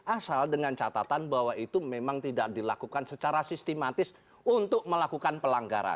asal dengan catatan bahwa itu memang tidak dilakukan secara sistematis untuk melakukan pelanggaran